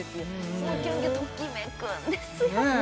そのキュンキュンときめくんですよ